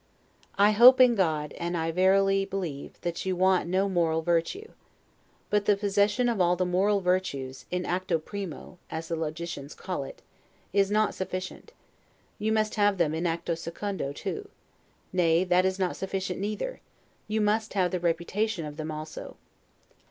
I hope in God, and I verily. believe, that you want no moral virtue. But the possession of all the moral virtues, in 'actu primo', as the logicians call it, is not sufficient; you must have them in 'actu secundo' too; nay, that is not sufficient neither you must have the reputation of them also.